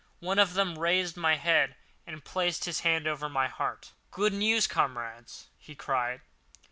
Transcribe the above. One of them raised my head, and placed his hand over my heart. "Good news, comrades!" he cried.